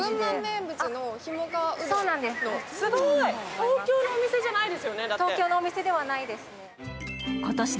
東京のお店じゃないですよね、だって。